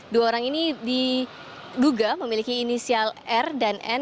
dua orang ini diduga memiliki inisial r dan n